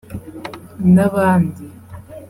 n’abandi”